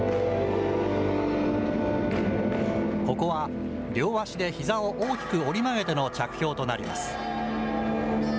ここは両足でひざを大きく折り曲げての着氷となります。